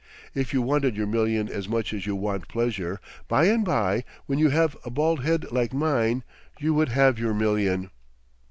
If you wanted your million as much as you want pleasure, by and by, when you have a bald head like mine, you would have your million."